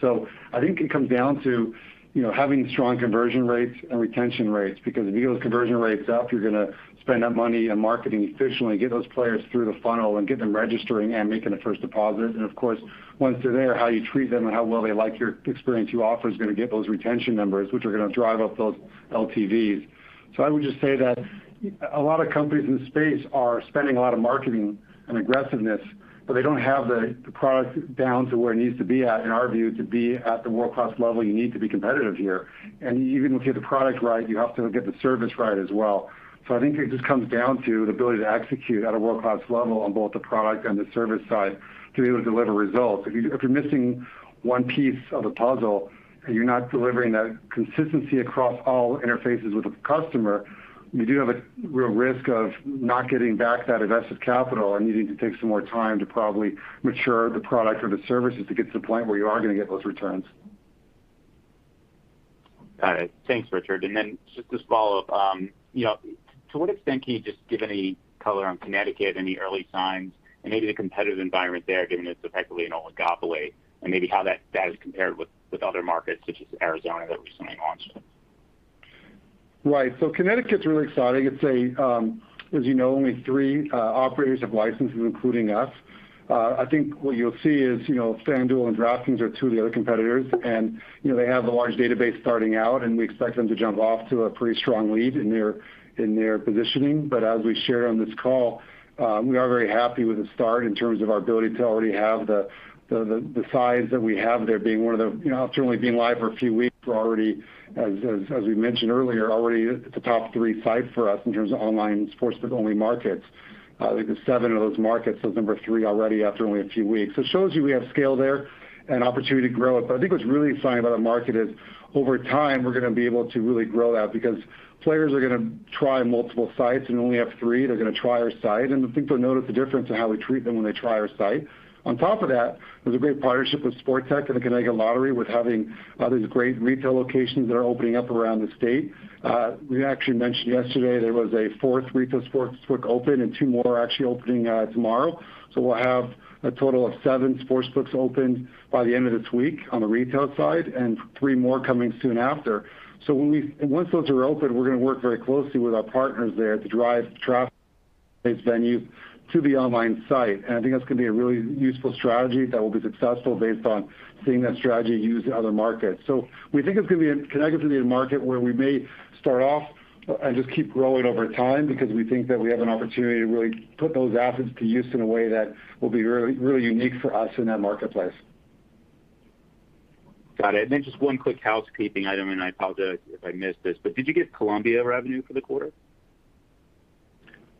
I think it comes down to, you know, having strong conversion rates and retention rates, because if you get those conversion rates up, you're gonna spend that money on marketing efficiently, get those players through the funnel and get them registering and making the first deposit. Of course, once they're there, how you treat them and how well they like your experience you offer is gonna get those retention numbers, which are gonna drive up those LTVs. I would just say that a lot of companies in the space are spending a lot of marketing and aggressiveness, but they don't have the product down to where it needs to be at, in our view, to be at the world-class level you need to be competitive here. Even if you have the product right, you have to get the service right as well. I think it just comes down to the ability to execute at a world-class level on both the product and the service side to be able to deliver results. If you're missing one piece of the puzzle and you're not delivering that consistency across all interfaces with the customer, you do have a real risk of not getting back that invested capital and needing to take some more time to probably mature the product or the services to get to the point where you are gonna get those returns. Got it. Thanks, Richard. Just to follow-up, you know, to what extent can you just give any color on Connecticut, any early signs, and maybe the competitive environment there, given it's effectively an oligopoly, and maybe how that has compared with other markets such as Arizona that recently launched? Right. Connecticut's really exciting. It's a, as you know, only three operators have licenses, including us. I think what you'll see is, you know, FanDuel and DraftKings are two of the other competitors, and, you know, they have a large database starting out, and we expect them to jump off to a pretty strong lead in their positioning. As we shared on this call, we are very happy with the start in terms of our ability to already have the size that we have there being one of the. You know, certainly being live for a few weeks, we're already, as we mentioned earlier, already at the top three sites for us in terms of online sports betting-only markets. I think there's seven of those markets, so number three already after only a few weeks. It shows you we have scale there and opportunity to grow it. But I think what's really exciting about the market is over time, we're gonna be able to really grow that because players are gonna try multiple sites and only have three. They're gonna try our site, and I think they'll note the difference in how we treat them when they try our site. On top of that, there's a great partnership with Sportech and the Connecticut Lottery with having these great retail locations that are opening up around the state. We actually mentioned yesterday there was a fourth retail sportsbook open and two more are actually opening tomorrow. We'll have a total of seven sportsbooks open by the end of this week on the retail side and three more coming soon after. Once those are open, we're gonna work very closely with our partners there to drive traffic from the venue to the online site. I think that's gonna be a really useful strategy that will be successful based on seeing that strategy used in other markets. We think Connecticut's gonna be a market where we may start off and just keep growing over time because we think that we have an opportunity to really put those assets to use in a way that will be really, really unique for us in that marketplace. Got it. Just one quick housekeeping item, and I apologize if I missed this, but did you give Colombia revenue for the quarter?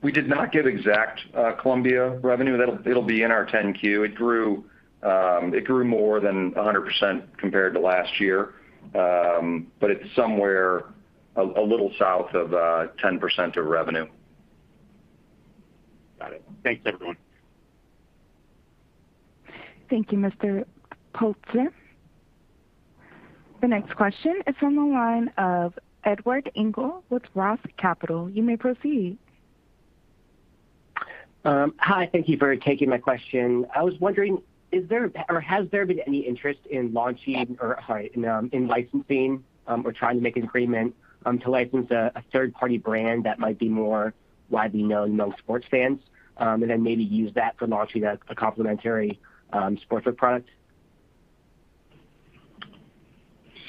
We did not give exact Colombia revenue. It'll be in our 10-Q. It grew more than 100% compared to last year. It's somewhere a little south of 10% of revenue. Got it. Thanks, everyone. Thank you, Mr. Politzer. The next question is from the line of Edward Engel with Roth Capital. You may proceed. Hi. Thank you for taking my question. I was wondering, is there or has there been any interest in licensing or trying to make an agreement to license a third-party brand that might be more widely known among sports fans, and then maybe use that for launching a complementary sportsbook product?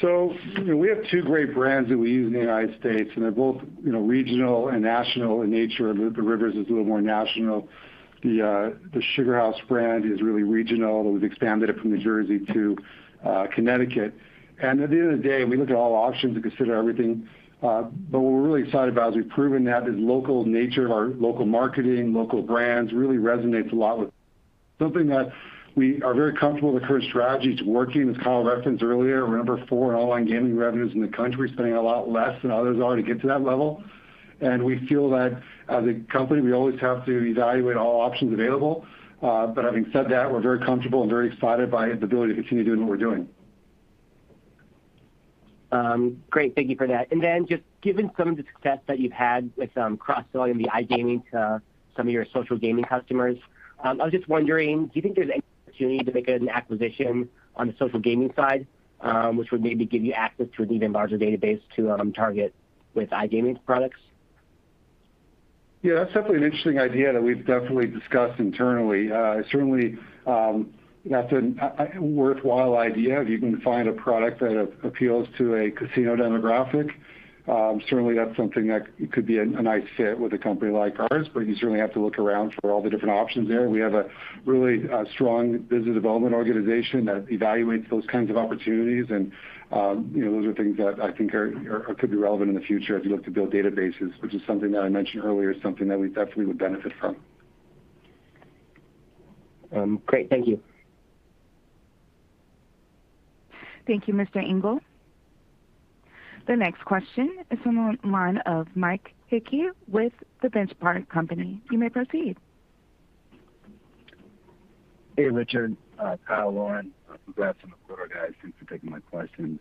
You know, we have two great brands that we use in the United States, and they're both, you know, regional and national in nature. The Rivers is a little more national. The SugarHouse brand is really regional. We've expanded it from New Jersey to Connecticut. At the end of the day, we look at all options and consider everything. What we're really excited about is we've proven that the local nature of our local marketing, local brands really resonates a lot with something that we are very comfortable with the current strategy to working, as Kyle referenced earlier. We're number four in online gaming revenues in the country. We're spending a lot less than others are to get to that level. We feel that as a company, we always have to evaluate all options available. Having said that, we're very comfortable and very excited by the ability to continue doing what we're doing. Great. Thank you for that. Just given some of the success that you've had with cross-selling the iGaming to some of your social gaming customers, I was just wondering, do you think there's any opportunity to make an acquisition on the social gaming side, which would maybe give you access to an even larger database to target with iGaming products? Yeah, that's definitely an interesting idea that we've definitely discussed internally. Certainly, that's a worthwhile idea if you can find a product that appeals to a casino demographic. Certainly that's something that could be a nice fit with a company like ours, but you certainly have to look around for all the different options there. We have a really strong business development organization that evaluates those kinds of opportunities and, you know, those are things that I think are could be relevant in the future as you look to build databases, which is something that I mentioned earlier is something that we definitely would benefit from. Great. Thank you. Thank you, Mr. Engel. The next question is from the line of Mike Hickey with The Benchmark Company. You may proceed. Hey, Richard. Stephen Grambling from Goldman Sachs. Thanks for taking my questions.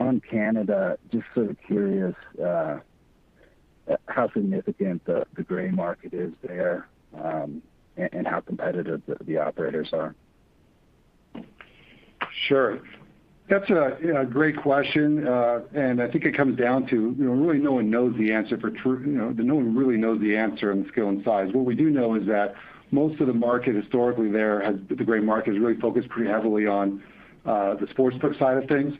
On Canada, just sort of curious how significant the gray market is there and how competitive the operators are. Sure. That's a great question. I think it comes down to, you know, really no one knows the answer for sure, you know, no one really knows the answer on the scale and size. What we do know is that most of the market historically the gray market is really focused pretty heavily on the sportsbook side of things.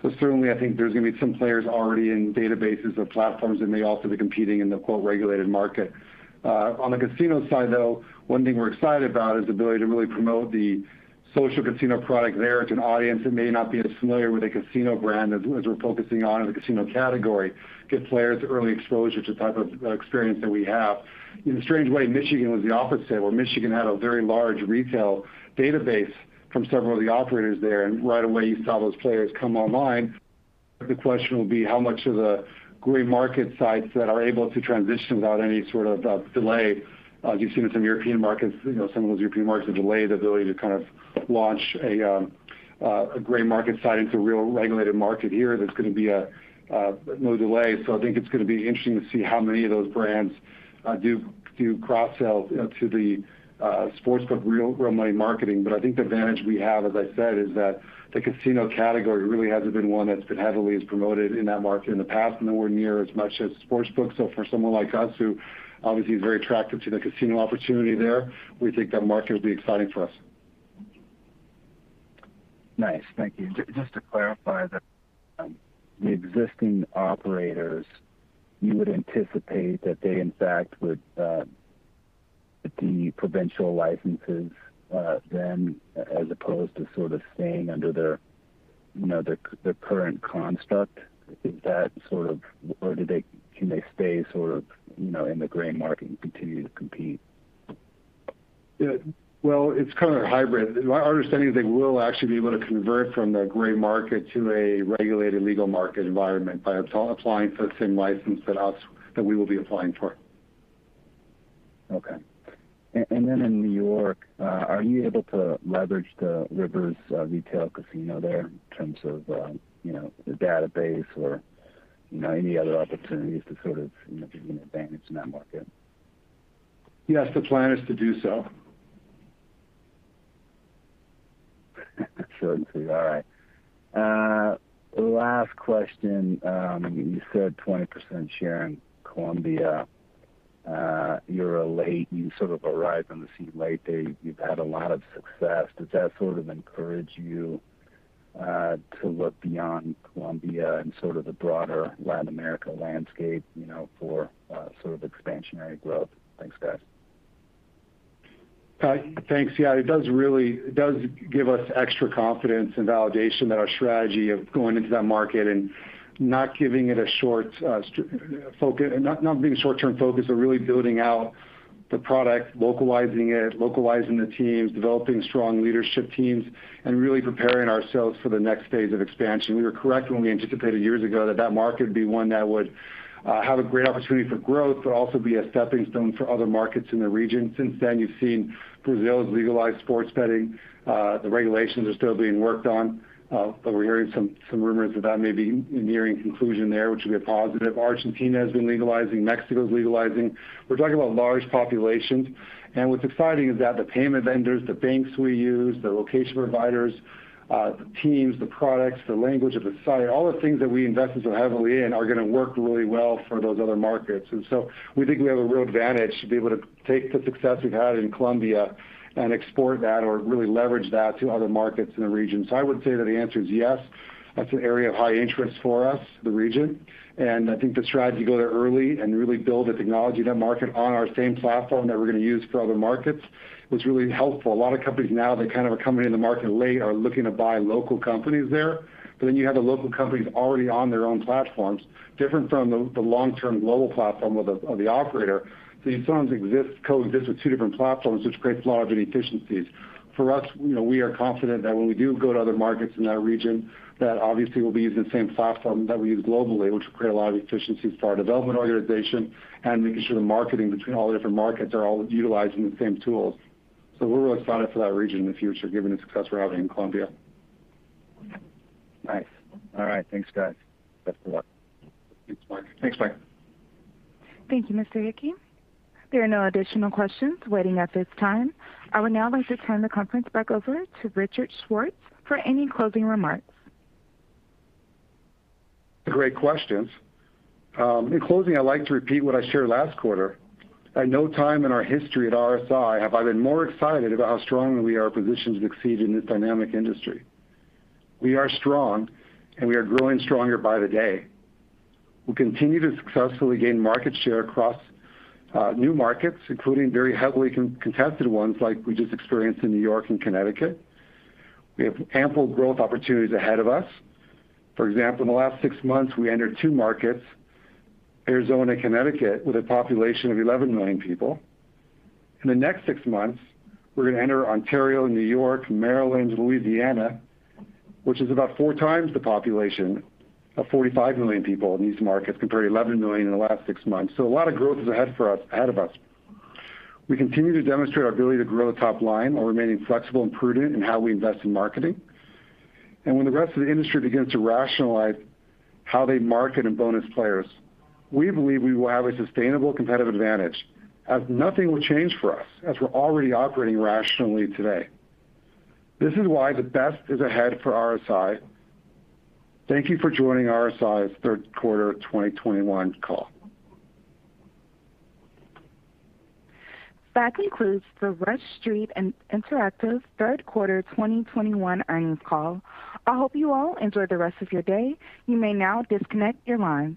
So certainly I think there's gonna be some players already in databases or platforms that may also be competing in the, quote, "regulated market." On the casino side, though, one thing we're excited about is the ability to really promote the social casino product there to an audience that may not be as familiar with a casino brand as we're focusing on in the casino category. Get players early exposure to the type of experience that we have. In a strange way, Michigan was the opposite, where Michigan had a very large retail database from several of the operators there, and right away you saw those players come online. The question will be how much of the gray market sites that are able to transition without any sort of delay. As you've seen with some European markets, you know, some of those European markets have delayed the ability to kind of launch a gray market site into a real regulated market here, there's gonna be no delay. I think it's gonna be interesting to see how many of those brands do cross-sells, you know, to the sportsbook real money marketing. I think the advantage we have, as I said, is that the casino category really hasn't been one that's been heavily promoted in that market in the past, nowhere near as much as sportsbook. For someone like us who obviously is very attractive to the casino opportunity there, we think that market will be exciting for us. Nice. Thank you. Just to clarify that, the existing operators, you would anticipate that they in fact would, the provincial licenses, then as opposed to sort of staying under their, you know, their current construct, is that sort of or can they stay sort of, you know, in the gray market and continue to compete? Yeah. Well, it's kind of a hybrid. Our understanding is they will actually be able to convert from the gray-market to a regulated legal-market environment by applying for the same license that we will be applying for. Okay. In New York, are you able to leverage the Rivers retail casino there in terms of, you know, the database or, you know, any other opportunities to sort of, you know, give you an advantage in that market? Yes, the plan is to do so. Certainly. All right. Last question. You said 20% share in Colombia. You sort of arrived on the scene late. You've had a lot of success. Does that sort of encourage you to look beyond Colombia and sort of the broader Latin America landscape, you know, for sort of expansionary growth? Thanks, guys. Thanks. Yeah, it does give us extra confidence and validation that our strategy of going into that market and not being short-term focused but really building out the product, localizing it, localizing the teams, developing strong leadership teams, and really preparing ourselves for the next phase of expansion. We were correct when we anticipated years ago that that market would be one that would have a great opportunity for growth but also be a stepping stone for other markets in the region. Since then, you've seen Brazil has legalized sports betting. The regulations are still being worked on, but we're hearing some rumors that that may be nearing conclusion there, which would be a positive. Argentina has been legalizing. Mexico's legalizing. We're talking about large populations, and what's exciting is that the payment vendors, the banks we use, the location providers, the teams, the products, the language of the site, all the things that we invested so heavily in are gonna work really well for those other markets. We think we have a real advantage to be able to take the success we've had in Colombia and export that or really leverage that to other markets in the region. I would say that the answer is yes. That's an area of high interest for us, the region. I think the strategy to go there early and really build the technology of that market on our same platform that we're gonna use for other markets was really helpful. A lot of companies now that kind of are coming in the market late are looking to buy local companies there, but then you have the local companies already on their own platforms, different from the long-term global platform of the operator. You sometimes coexist with two different platforms which creates a lot of inefficiencies. For us, you know, we are confident that when we do go to other markets in that region, that obviously we'll be using the same platform that we use globally, which will create a lot of efficiency for our development organization and making sure the marketing between all the different markets are all utilizing the same tools. We're really excited for that region in the future given the success we're having in Colombia. Nice. All right. Thanks, guys. Best of luck. Thanks, Mike. Thanks, Mike. Thank you, Mr. Hickey. There are no additional questions waiting at this time. I would now like to turn the conference back over to Richard Schwartz for any closing remarks. Great questions. In closing, I'd like to repeat what I shared last quarter. At no time in our history at RSI have I been more excited about how strongly we are positioned to succeed in this dynamic industry. We are strong, and we are growing stronger by the day. We continue to successfully gain market share across new markets, including very heavily contested ones like we just experienced in New York and Connecticut. We have ample growth opportunities ahead of us. For example, in the last six months, we entered two markets, Arizona and Connecticut, with a population of 11 million people. In the next six months, we're gonna enter Ontario, New York, Maryland, Louisiana, which is about four times the population of 45 million people in these markets compared to 11 million in the last six months. A lot of growth is ahead of us. We continue to demonstrate our ability to grow the top line while remaining flexible and prudent in how we invest in marketing. When the rest of the industry begins to rationalize how they market and bonus players, we believe we will have a sustainable competitive advantage as nothing will change for us, as we're already operating rationally today. This is why the best is ahead for RSI. Thank you for joining RSI's Q3 of 2021 call. That concludes the Rush Street Interactive Q3 2021 earnings call. I hope you all enjoy the rest of your day. You may now disconnect your lines.